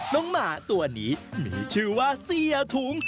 หมาตัวนี้มีชื่อว่าเสียถุง